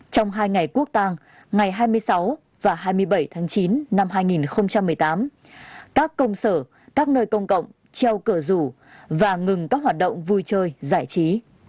trong hai ngày quốc tàng ngày hai mươi sáu và hai mươi bảy tháng chín năm hai nghìn một mươi tám các công sở các nơi công cộng treo cờ rủ và ngừng các hoạt động vui chơi giải trí